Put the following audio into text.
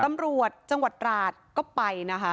ตำรวจจังหวัดราชก็ไปนะคะ